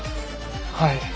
はい。